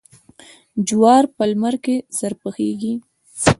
جوار په لمر کې ژر پخیږي.